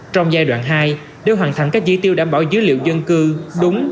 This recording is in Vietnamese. trong giai đoạn hai đều hoàn thành các dị tiêu đảm bảo dữ liệu dân cư đúng